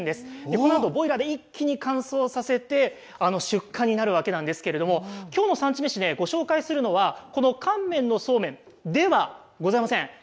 このあとボイラーで一気に乾燥させて出荷になるわけなんですけれどもきょうの産地めしでご紹介するのは、この乾麺のそうめんではございません。